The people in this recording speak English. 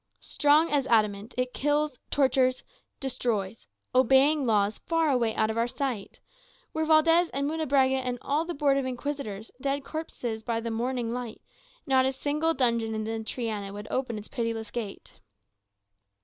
Strong as adamant, it kills, tortures, destroys; obeying laws far away out of our sight. Were Valdez and Munebrãga, and all the Board of Inquisitors, dead corpses by the morning light, not a single dungeon in the Triana would open its pitiless gate."